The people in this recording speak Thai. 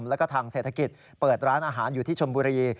แล้วก็ทางเศรษฐกิจเปิดร้านอาหารอยู่ที่ชมบุรี